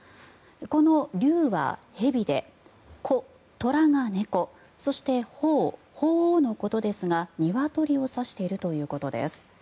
この龍は蛇で虎が猫そして、鳳鳳凰のことですがニワトリを指しているということです。